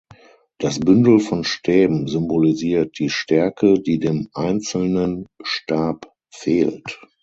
Das Bündel von Stäben symbolisiert die Stärke, die dem einzelnen Stab fehlt.